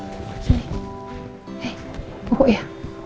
eh buku ya